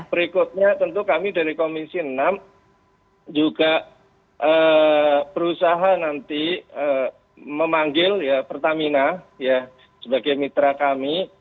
berikutnya tentu kami dari komisi enam juga berusaha nanti memanggil pertamina sebagai mitra kami